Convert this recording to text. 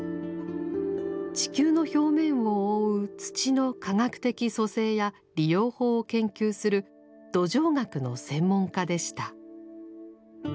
地球の表面を覆う土の科学的組成や利用法を研究する土壌学の専門家でした。